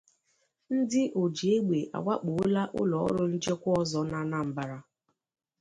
Ndị Ojiegbe Awakpòla Ụlọọrụ Nchekwa Ọzọ n'Anambra